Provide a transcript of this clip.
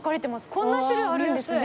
こんな種類あるんですね。